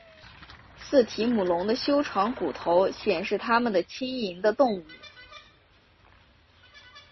似提姆龙的修长骨头显示它们的轻盈的动物。